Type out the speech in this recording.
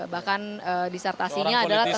bahkan disertasinya adalah tentang